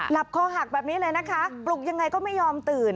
คอหักแบบนี้เลยนะคะปลุกยังไงก็ไม่ยอมตื่น